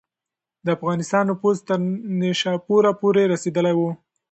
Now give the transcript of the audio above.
د افغانستان نفوذ تر نیشاپوره پورې رسېدلی و.